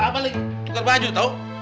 apa lagi tukar baju tau